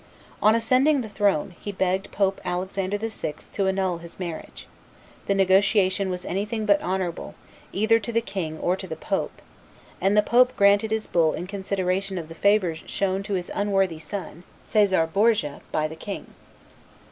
On ascending the throne, he begged Pope Alexander VI. to annul his marriage; the negotiation was anything but honorable, either to the king or to the pope; and the pope granted his bull in consideration of the favors shown to his unworthy son, Caesar Borgia, by the king.